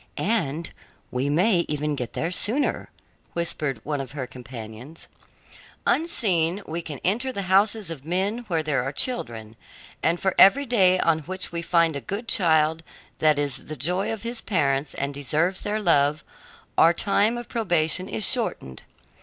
"And we may even get there sooner," whispered one of her companions. "Unseen we can enter the houses of men where there are children, and for every day on which we find a good child that is the joy of his parents and deserves their love, our time of probation is shortened.